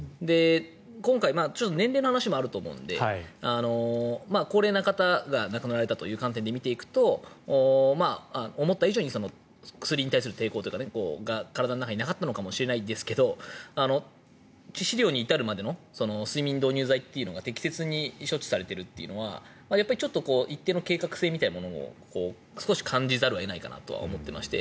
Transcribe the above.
今回、年齢の話もあると思うので高齢な方が亡くなられたという観点で見ていくと思った以上に薬に対する抵抗が体の中になかったのかもしれないですが致死量に至るまでの睡眠導入剤っていうのが適切に処置されているというのは一定の計画性みたいなものを少し感じざるを得ないかなとは思っていまして